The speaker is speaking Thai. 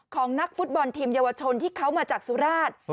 ของนักฟุตบอลทีมเยาวชนที่เขามาจากสุราช